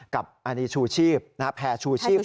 กับอันนี้ชูชีพแพร่ชูชีพ